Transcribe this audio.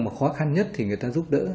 mà khó khăn nhất thì người ta giúp đỡ